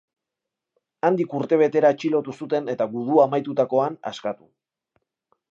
Handik urtebetera atxilotu zuten eta gudua amaitutakoan, askatu.